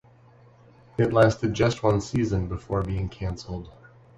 It lasted just one season before being cancelled.